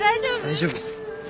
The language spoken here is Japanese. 大丈夫っす。